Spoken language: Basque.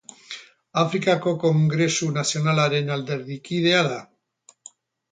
Afrikako Kongresu Nazionalaren alderdikidea da.